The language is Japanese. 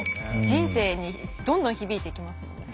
人生にどんどん響いていきますもんね。